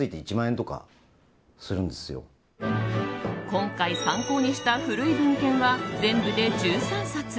今回、参考にした古い文献は全部で１３冊。